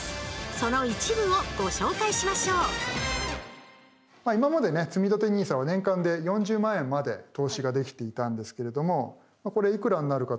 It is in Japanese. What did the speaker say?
その一部をご紹介しましょう今までねつみたてＮＩＳＡは年間で４０万円まで投資ができていたんですけれどもこれいくらになるかというと。